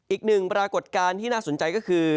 อีกหนึ่งปรากฏการณ์ที่น่าสนใจก็คือ